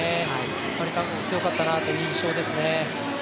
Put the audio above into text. やっぱり韓国、強かったなという印象ですね。